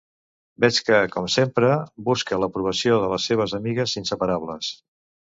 Veig que, com sempre, busca l'aprovació de les seves amigues inseparables.